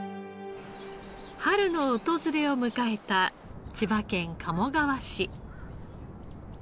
春の訪れを迎えた千葉県鴨川市。